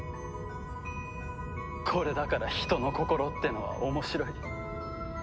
これだから人の心ってのは面白い。